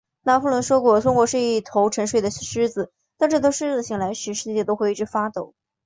拿破仑说过，中国是一头沉睡的狮子，当这头睡狮醒来时，世界都会为之发抖。